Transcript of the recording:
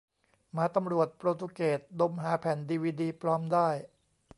หมาตำรวจโปรตุเกส ดมหาแผ่นดีวีดีปลอมได้ !